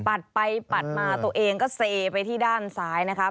ไปปัดมาตัวเองก็เซไปที่ด้านซ้ายนะครับ